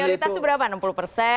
mayoritas itu berapa